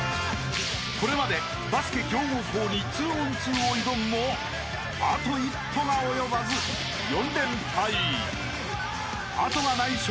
［これまでバスケ強豪校に２ｏｎ２を挑むもあと一歩が及ばず４連敗］［後がない笑